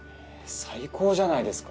最高じゃないですか。